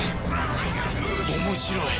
面白い。